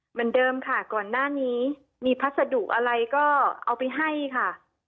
เหมือนเดิมค่ะก่อนหน้านี้มีพัสดุอะไรก็เอาไปให้ค่ะ